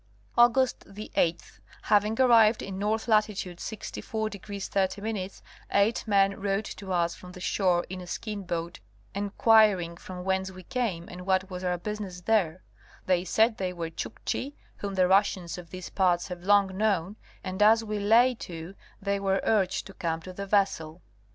August 8th, having arrived in north latitude 64° 30', eight men rowed to us from the shore in a skin boat, enquiring from whence we came and what was our business there. They said they were Chukchi, (whom the Russians of these parts have long known) and as we lay to they were urged to come to the vessel.